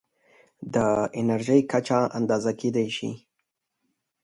د انرژۍ کچه اندازه کېدای شي.